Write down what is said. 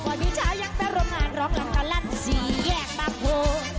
ก่อนดีเช้ายังเป็นโรงงานร้องรันตะลัดสี่แยกบางโพ